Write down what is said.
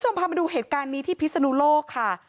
พามาดูเหตุการณ์นี้ที่พิศนุโลกค่ะ